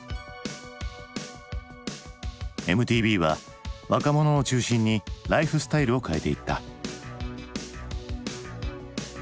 ＭＴＶは若者を中心にライフスタイルを変えていった。